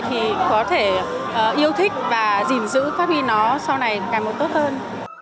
thì có thể yêu thích và dìm giữ phát huy nó sau này càng một tốt hơn